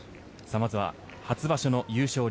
まずは初場所の優勝力